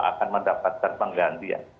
akan mendapatkan penggantian